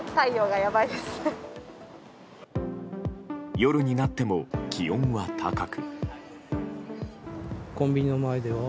夜になっても気温は高く。